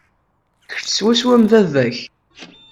Kečč swaswa am baba-k.